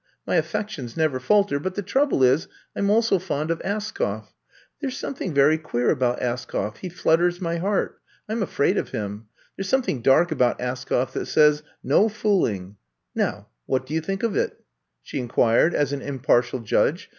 My affections never falter; but the trouble is, I 'm also fond of Askoff. There 's some thing very queer about Askoff, he flutters my heart. I 'm afraid of him. There 's something dark about Askoff that says — *No fooling.' Now, what do you think of it,'' she inquired, as an impartial judge!